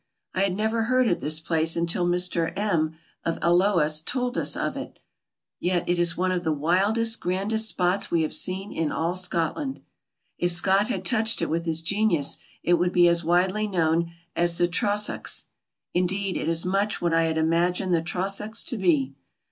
I had never heard of this place until Mr M. of Alloa told us of it, yet it is one of the wildest, grandest spots we have seen in alt Scotland. If Scott had touched it with his genius it would be as widely known as the Trossachs. Indeed, it is much what I had imagined the Trossachs to be.